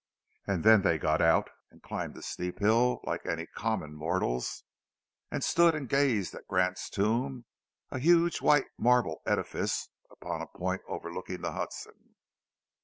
And then they got out and climbed a steep hill like any common mortals, and stood and gazed at Grant's tomb: a huge white marble edifice upon a point overlooking the Hudson.